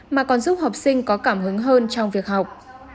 mà còn giúp học sinh có cảm hứng hơn trong việc học